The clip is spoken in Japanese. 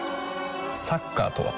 サッカーとは？